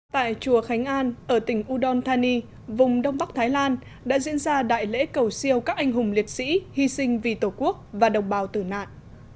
tại chùa khánh an ở tỉnh udon thani vùng đông bắc thái lan đã diễn ra đại lễ cầu siêu các anh hùng liệt sĩ hy sinh vì tổ quốc và đồng bào tử nạn